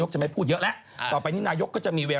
ใช่นี่